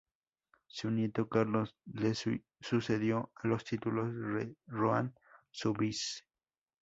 Su nieto Carlos le sucedió a los títulos de Rohan-Soubise.